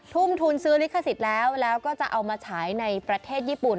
ทุ่มทุนซื้อลิขสิทธิ์แล้วแล้วก็จะเอามาฉายในประเทศญี่ปุ่น